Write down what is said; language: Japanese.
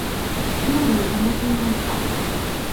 料理を楽しみました。